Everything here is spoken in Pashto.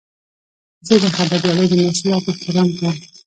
زه د خبریالۍ د مسلک احترام کوم.